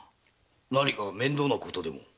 何か面倒なことでも？